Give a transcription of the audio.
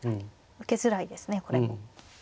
受けづらいですねこれも。